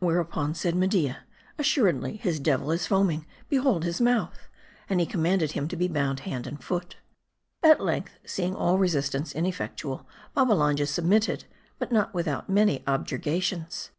Whereupon, said Media, " Assuredly his devil is foaming ; behold his mouth !" And he commanded him to be bound hand and foot. At length, seeing all resistance ineffectual, Babbalanja submitted ; but not without many objurgations.